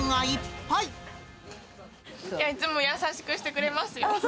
いつも優しくしてくれますよ。